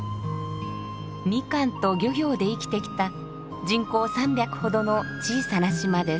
みかんと漁業で生きてきた人口３００ほどの小さな島です。